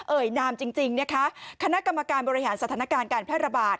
นามจริงนะคะคณะกรรมการบริหารสถานการณ์การแพร่ระบาด